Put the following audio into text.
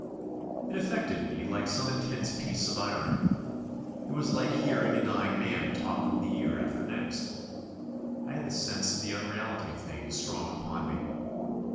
It affected me like some intense piece of irony. It was like hearing a dying man talk of the year after next. I had the sense of the unreality of things strong upon me.